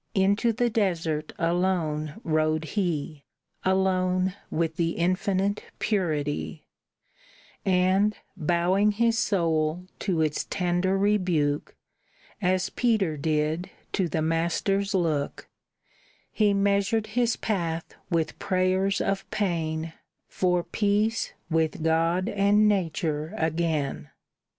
Into the desert alone rode he, Alone with the Infinite Purity; And, bowing his soul to its tender rebuke, As Peter did to the Master's look, He measured his path with prayers of pain For peace with God and nature again.